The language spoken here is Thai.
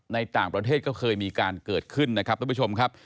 ในต่างประเทศก็เคยมีการเกิดขึ้นนะครับทุกผู้ชมครับ